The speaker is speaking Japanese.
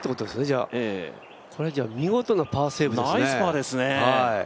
じゃあこれ見事なパーセーブですね。